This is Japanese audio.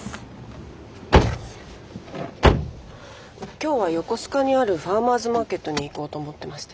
今日は横須賀にあるファーマーズマーケットに行こうと思ってまして。